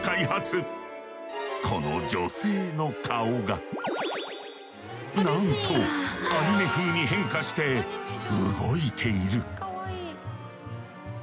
この女性の顔がなんとアニメ風に変化して動いている！